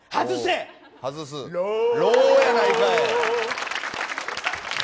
ローやないかい！